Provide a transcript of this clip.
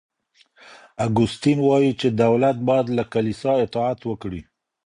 اګوستين وايي چي دولت بايد له کليسا اطاعت وکړي.